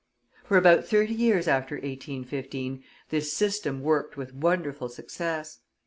For about thirty years after 1815 this system worked with wonderful success.